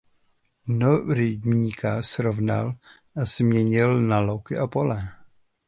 Dno rybníka srovnal a změnil na louky a pole.